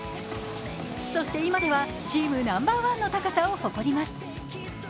そして、今ではチームナンバーワンの高さを誇ります。